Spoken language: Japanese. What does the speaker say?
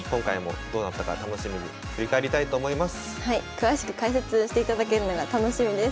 詳しく解説していただけるのが楽しみです。